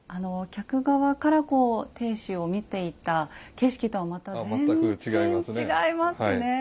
客側からこう亭主を見ていた景色とはまた全然違いますね。